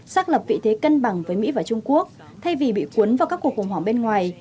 xác lập vị thế cân bằng với mỹ và trung quốc thay vì bị cuốn vào các cuộc khủng hoảng bên ngoài